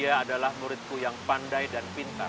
dia adalah muridku yang pandai dan pintar